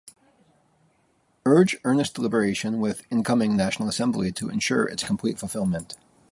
Urge earnest deliberation with incoming National Assembly to insure its complete fulfillment.